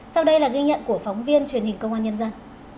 sau đây là ghi nhận của phóng viên truyền hình công an nhân dân